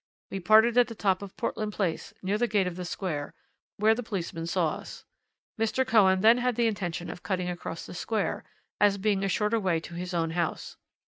We parted at the top of Portland Place, near the gate of the Square, where the policeman saw us. Mr. Cohen then had the intention of cutting across the Square, as being a shorter way to his own house.